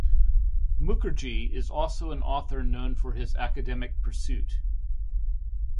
Mukherjee is also an author known for his academic pursuit.